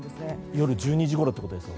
夜１２時ごろということですか。